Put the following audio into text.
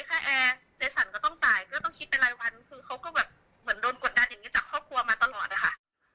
ก็ต้องคิดไปรายวันคือเขาก็แบบเหมือนโดนกดดันอย่างงี้จากครอบครัวมาตลอดนะคะ